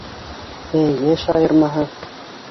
Ә йәш айырмаһы...